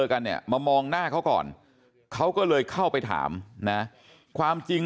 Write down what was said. กันเนี่ยมามองหน้าเขาก่อนเขาก็เลยเข้าไปถามนะความจริง